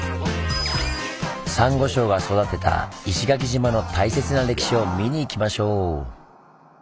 サンゴ礁が育てた石垣島の大切な歴史を見に行きましょう！